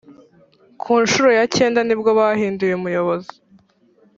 ku ncuro yakenda nibwo bahinduye umuyobozi.